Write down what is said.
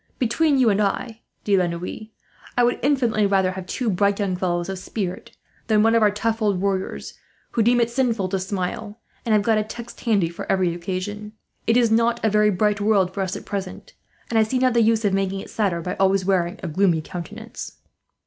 "Between you and I, De la Noue, I would infinitely rather have two bright young fellows of spirit than one of our tough old warriors, who deem it sinful to smile, and have got a text handy for every occasion. It is not a very bright world for us, at present; and I see not the use of making it sadder, by always wearing a gloomy countenance."